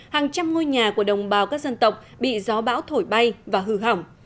hàng trăm ngôi nhà của đồng bào các dân tộc bị gió bão thổi bay và hư hỏng